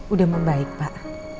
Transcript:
udah membaik pak